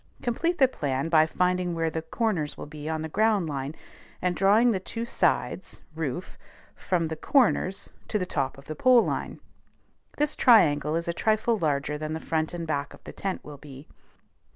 Complete the plan by finding where the corners will be on the ground line, and drawing the two sides (roof) from the corners to the top of the pole line. This triangle is a trifle larger than the front and back of the tent will be.